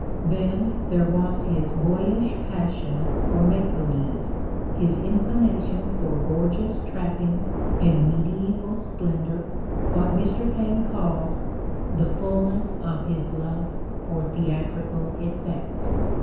Then there was his boyish passion for make believe, his inclination for gorgeous trappings and medieval splendor, what Mr. Paine calls "the fullness of his love for theatrical effect."